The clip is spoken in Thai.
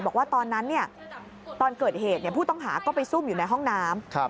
บอกว่าตอนนั้นตอนเกิดเหตุผู้ต้องหาก็ไปซุ่มอยู่ในห้องน้ำ